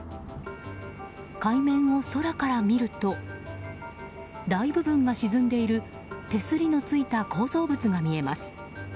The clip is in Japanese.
海面を空から見ると大部分が沈んでいる手すりのついた構造物が見えます。